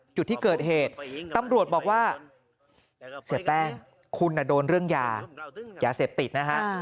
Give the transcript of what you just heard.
จุดที่เกิดเหตุตำรวจบอกว่าเสียแป้งคุณโดนเรื่องยายาเสพติดนะฮะ